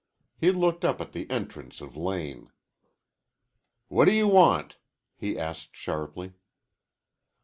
He looked up at the entrance of Lane. "What do you want?" he asked sharply.